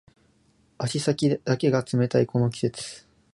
足先だけが冷たいこの季節